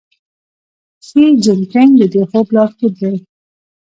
شي جین پینګ د دې خوب لارښود دی.